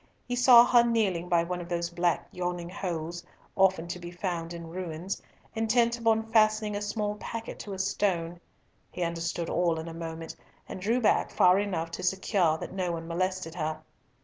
He saw her kneeling by one of those black yawning holes, often to be found in ruins, intent upon fastening a small packet to a stone; he understood all in a moment, and drew back far enough to secure that no one molested her.